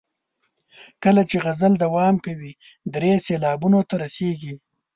کله چې غزل دوام کوي درې سېلابونو ته رسیږي.